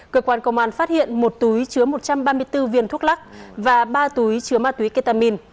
cơ quan công an phát hiện một túi chứa một trăm ba mươi bốn viên thuốc lắc và ba túi chứa ma túy ketamin